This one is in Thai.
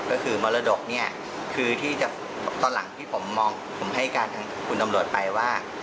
ก็คือมรดกเนี่ยคือที่จะตอนหลังที่ผมมองผมให้การทางคุณตำรวจไปว่า